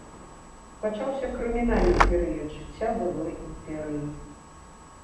Пачаўся крымінальны перыяд жыцця былой імперыі.